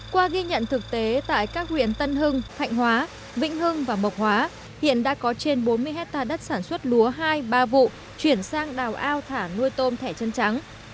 qua ghi nhận thực tế tại các huyện tân hưng thạnh hóa vĩnh hưng và mộc hóa hiện đã có trên bốn mươi hectare đất sản xuất lúa hai ba vụ chuyển sang đảo ao thả nuôi tôm thẻ chân trắng